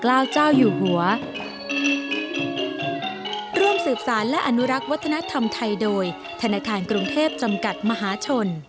เจ้าอยู่หัวร่วมสืบสารและอนุรักษ์วัฒนธรรมไทยโดยธนาคารกรุงเทพจำกัดมหาชน